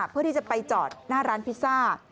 เพื่อที่จะไปจอดหน้าร้านพิซซ่า